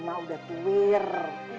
mak udah tuir